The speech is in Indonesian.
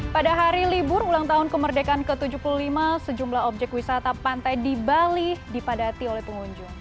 pada hari libur ulang tahun kemerdekaan ke tujuh puluh lima sejumlah objek wisata pantai di bali dipadati oleh pengunjung